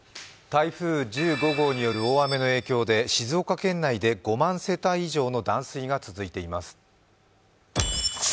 台風１５号による大雨の影響で、静岡県内で５万世帯以上の断水が続いています